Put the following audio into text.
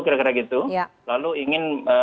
kira kira gitu lalu ingin